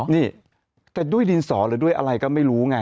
นี่แต่ด้วยดินสอหรือด้วยอะไรก็ไม่รู้ไง